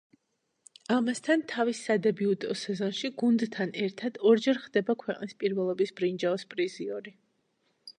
ამასთან, თავის სადებიუტო სეზონში გუნდთან ერთად ორჯერ ხდება ქვეყნის პირველობის ბრინჯაოს პრიზიორი.